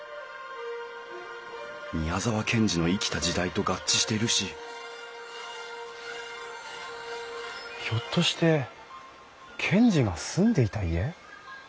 宮沢賢治の生きた時代と合致しているしひょっとして賢治が住んでいた家？